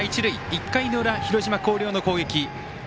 １回の裏、広島・広陵の攻撃。